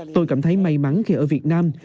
tôi cảm thấy may mắn khi ở việt nam